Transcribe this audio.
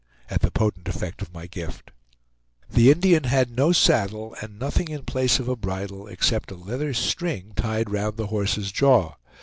at the potent effect of my gift. The Indian had no saddle, and nothing in place of a bridle except a leather string tied round the horse's jaw.